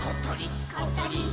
「ことりっ！」